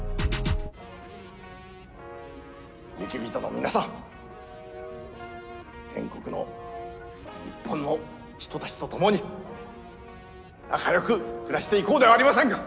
雪人の皆さん全国の日本の人たちと共に仲よく暮らしていこうではありませんか。